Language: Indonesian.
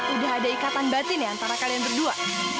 udah ada ikatan batin ya antara kalian berdua